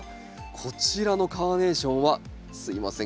こちらのカーネーションはすいません